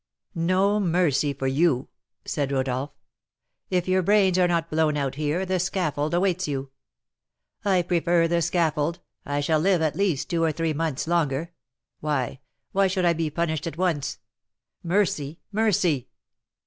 "No mercy for you," said Rodolph. "If your brains are not blown out here, the scaffold awaits you " "I prefer the scaffold, I shall live, at least, two or three months longer. Why, why should I be punished at once? Mercy! mercy!"